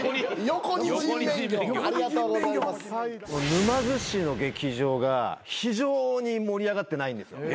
沼津市の劇場が非常に盛り上がってないんですよ。